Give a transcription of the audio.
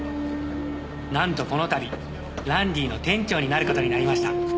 「なんとこの度ランディの店長になる事になりました」